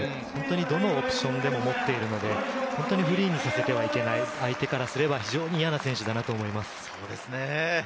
どのオプションでも持っているので、フリーにさせてはいけない、相手からすれば、非常に嫌な選手だと思います。